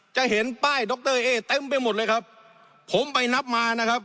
จะเห็นป้ายดรเอ๊เต็มไปหมดเลยครับผมไปนับมานะครับ